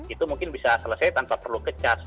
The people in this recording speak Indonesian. itu mungkin bisa selesai tanpa perlu ke cas